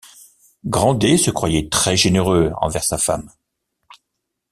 Grandet se croyait très généreux envers sa femme.